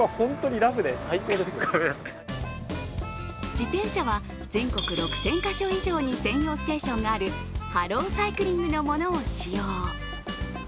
自転車は全国６０００か所以上に専用ステーションがあるＨＥＬＬＯＣＹＣＬＩＮＧのものを使用。